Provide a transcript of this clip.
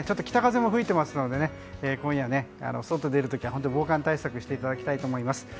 北風も吹いてますので今夜、外に出る時は防寒対策していただきたいと思います。